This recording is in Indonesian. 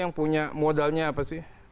yang punya modalnya apa sih